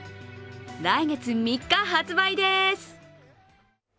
来月３日発売です。